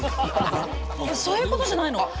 いやそういうことじゃないの。